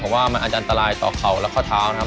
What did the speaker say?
ผมว่ามันอาจจะอันตรายต่อเข่าและข้อเท้านะครับ